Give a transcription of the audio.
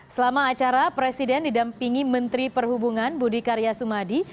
selama acara presiden didampingi menteri perhubungan budi karya sumadi